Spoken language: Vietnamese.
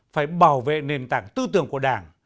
phải bảo vệ nền tảng tư tưởng của đảng